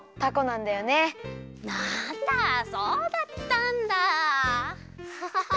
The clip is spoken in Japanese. なんだそうだったんだ。